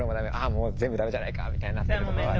もう全部駄目じゃないかみたいになってるところはある。